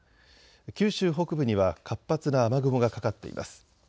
九州北部には活発な雨雲がかかっています。